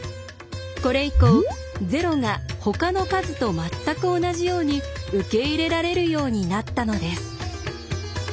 これ以降０がほかの数と全く同じように受け入れられるようになったのです。